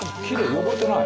汚れてない。